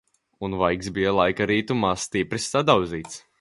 Un vaigs bija laika ritumā stipri sadauzīts.